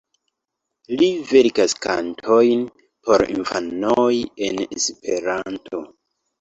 Li verkas kantojn por infanoj en Esperanto.